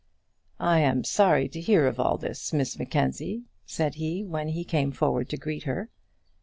"I'm sorry to hear of all this, Miss Mackenzie," said he, when he came forward to greet her.